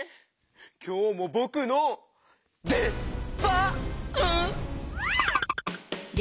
きょうもぼくのでばん？